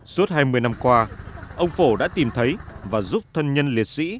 suốt hai mươi năm qua ông phổ đã tìm thấy và giúp thân nhân liệt sĩ